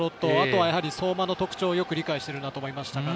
あとは相馬のポジションをよく理解していると思いました。